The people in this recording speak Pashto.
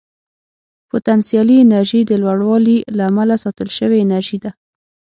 پوتنسیالي انرژي د لوړوالي له امله ساتل شوې انرژي ده.